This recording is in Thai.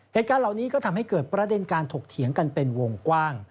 เหตุการณ์เหล่านี้ก็ทำให้เกิดประเด็นการถกเถียงกันเป็นวงกว้าง